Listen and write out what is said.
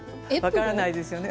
分からないですよね。